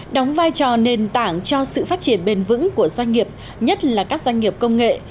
đóng vai trò nền tảng cho sự phát triển bền vững của doanh nghiệp nhất là các doanh nghiệp công nghệ